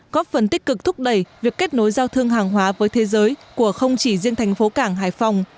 có phần tích cực thúc đẩy việc kết nối giao thương hàng hóa với thế giới của không chỉ riêng thành phố cảng hải phòng